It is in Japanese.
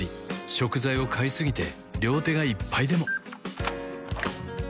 食材を買いすぎて両手がいっぱいでも